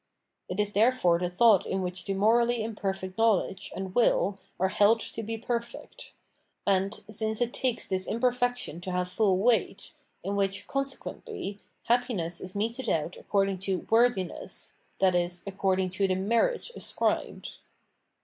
It is there fore the thought in which the morally imperfect know ledge and will are held to be perfect, and since it takes this imperfection to have full weight in which, consequently, happiness is meted out according to "worthiness," i.e. according to the "merit ascribed.